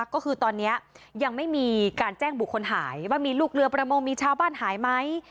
ก็คือตอนนี้ยังไม่มีการแจ้งบุคคลหายว่ามีลูกเรือประมงมีชาวบ้านหายไหม